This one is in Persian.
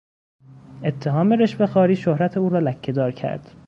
اتهام رشوه خواری شهرت او را لکهدار کرد.